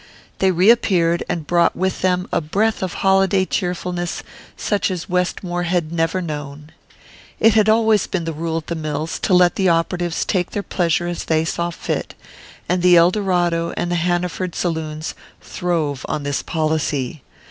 They reappeared, and brought with them a breath of holiday cheerfulness such as Westmore had never known. It had always been the rule at the mills to let the operatives take their pleasure as they saw fit, and the Eldorado and the Hanaford saloons throve on this policy.